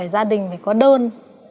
gia đình phải có đơn